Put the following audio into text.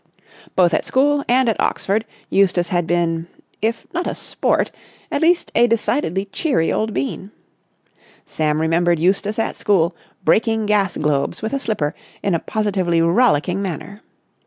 Both at school and at Oxford, Eustace had been—if not a sport—at least a decidedly cheery old bean. Sam remembered Eustace at school, breaking gas globes with a slipper in a positively rollicking manner.